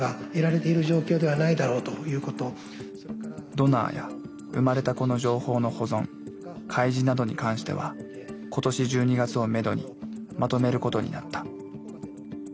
ドナーや生まれた子の情報の保存開示などに関しては今年１２月をめどにまとめることになった。